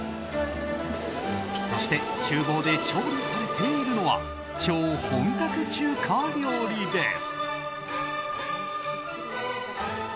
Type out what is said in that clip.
そして厨房で調理されているのは超本格中華料理です。